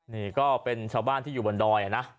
นี่ก็เป็นชาวบ้านที่อยู่บนดอยนะ